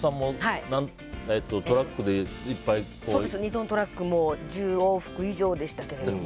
２トントラック１０往復以上でしたけども。